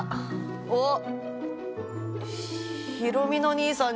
おっ。